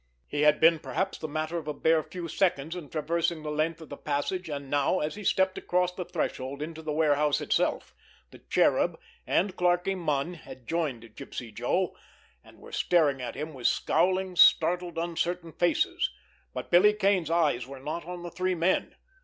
He had been perhaps the matter of a bare few seconds in traversing the length of the passage, and now as he stepped across the threshold into the warehouse itself, the Cherub and Clarkie Munn had joined Gypsy Joe, and were staring at him with scowling, startled, uncertain faces—but Billy Kane's eyes were not on the three men.